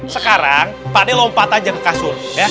sekarang pak d lompat aja ke kasur ya